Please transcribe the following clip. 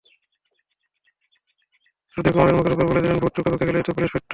সুধীরকুমারের মুখের ওপর বলে দিলেন, ভোট চুকেবুকে গেলেই তো পুলিশ পিঠটান দেবে।